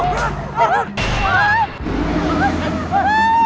eh lepas leherku